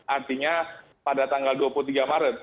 artinya pada tanggal dua puluh tiga maret